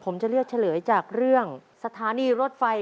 ผมจะเลือกเฉลยจากเรื่องสถานีรถไฟ